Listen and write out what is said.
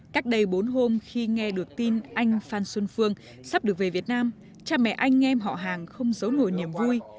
các đầy bốn hôm khi nghe được tin anh phan xuân phương sắp được về việt nam cha mẹ anh nghe họ hàng không giấu ngồi niềm vui